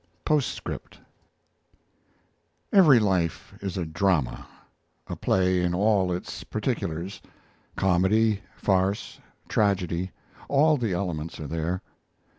POSTSCRIPT Every life is a drama a play in all its particulars; comedy, farce, tragedy all the elements are there.